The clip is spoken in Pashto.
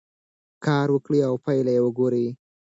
کار وکړئ او پایله یې وګورئ.